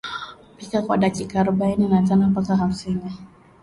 Pika kwa dakika arobaini na tano mpaka hamsini